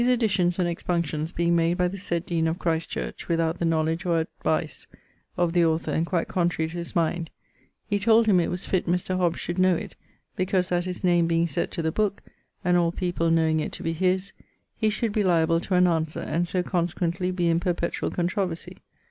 ] additions and expunctions being made by the sayd deane of Christ Church, without the knowledge or advice of the authour and quite contrary to his mind, he told him it was fitt Mr. Hobbes should know it, because that his name being set to the booke and all people knowing it to be his, he should be liable to an answer, and so consequently be in perpetuall controversie.